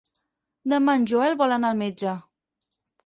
Demà en Joel vol anar al metge.